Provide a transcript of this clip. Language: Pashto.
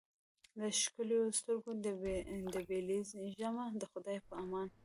له ښکلیو سترګو دي بېلېږمه د خدای په امان